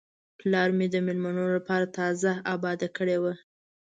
پلار مې د میلمنو لپاره تازه آباده کړې وه.